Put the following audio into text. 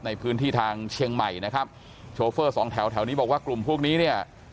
ในพื้นที่ทางเชียงใหม่นะครับโชเฟอร์สองแถวแถวนี้บอกว่ากลุ่มพวกนี้เนี่ย